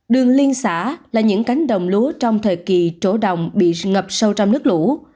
đường liên xã là những cánh đồng lúa trong thời kỳ chỗ đồng bị ngập sâu trong nước lũ